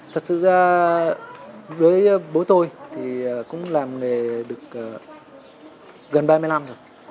thật sự ra với bố tôi thì cũng làm nghề được gần ba mươi năm rồi